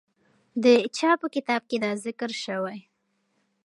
د چا په کتاب کې دا ذکر سوی؟